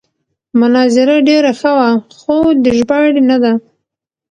مناظره ډېره ښه وه خو د ژباړې نه ده.